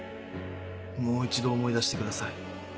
もう一度思い出してください。